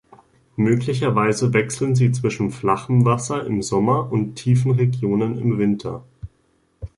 Möglicherweise wechseln sie zwischen flachem Wasser im Sommer und tiefen Regionen im Winter.